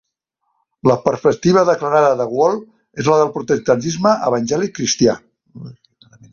La perspectiva declarada de "World" és la del protestantisme evangèlic cristià.